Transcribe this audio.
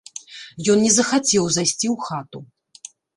Ён не захацеў зайсці ў хату.